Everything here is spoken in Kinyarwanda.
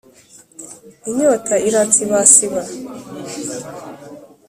Inyota iransibasiba.